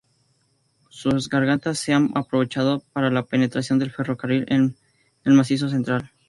Sus gargantas se han aprovechado para la penetración del ferrocarril en el macizo Central.